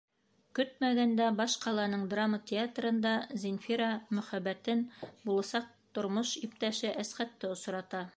Көтмәгәндә баш ҡаланың драма театрында Зинфира мөхәббәтен — буласаҡ тормош иптәше Әсхәтте — осрата.